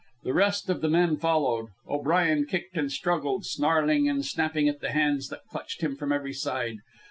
The rest of the men followed, O'Brien kicked and struggled, snarling and snapping at the hands that clutched him from every side.